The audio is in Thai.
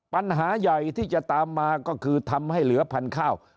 ปัญหาใหญ่ที่จะตามมาก็คือทำให้เหลือพันธุ์ข้าว